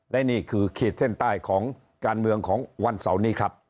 และนี่คือขีดเส้นใต้ของการเมืองของวันเสาร์นี้ครับ